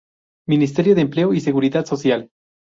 Ministerio de Empleo y Seguridad Social.